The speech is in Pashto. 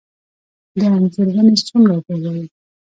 د انځر ونې څومره اوبه غواړي؟